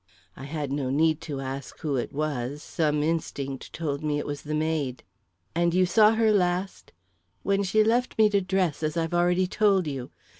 I had no need to ask who it was; some instinct told me it was the maid. "And you saw her last " "When she left me to dress, as I've already told you.